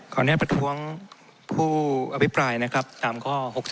อนุญาตประท้วงผู้อภิปรายนะครับตามข้อ๖๓